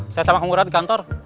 saya sama anggota di kantor